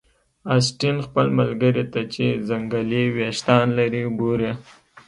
اسټین خپل ملګري ته چې ځنګلي ویښتان لري ګوري